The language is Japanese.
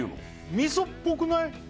味噌っぽくない？